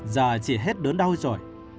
giờ chị hết đớn đau rồi